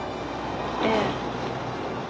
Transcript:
ええ。